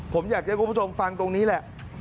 ผมอยากจะให้คุณผู้ชมฟังตรงนี้แหละ